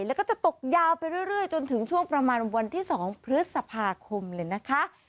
แล้วก็จะตกยาวไปเรื่อยจนถึงช่วงประมาณวันที่๒พฤษภาคมเลยนะคะ